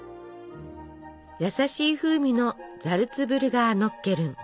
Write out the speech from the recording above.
優しい風味のザルツブルガーノッケルン。